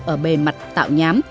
ở bề mặt tạo nhám